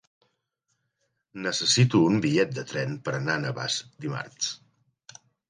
Necessito un bitllet de tren per anar a Navàs dimarts.